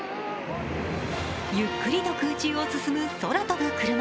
ゆっくりと空中を進む空飛ぶクルマ。